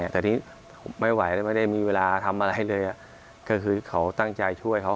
แต่ที่ไม่ไหวแล้วไม่ได้มีเวลาทำอะไรเลยก็คือเขาตั้งใจช่วยเขา